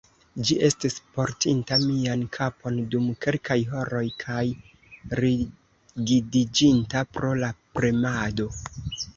Ĝi estis portinta mian kapon dum kelkaj horoj, kaj rigidiĝinta pro la premado.